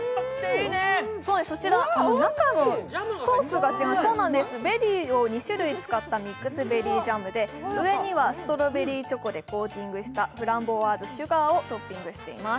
中のソースがベリーを２種類使ったミックスベリージャムで上にはストロベリーチョコでコーティングしたフランボワーズシュガーをトッピングしています。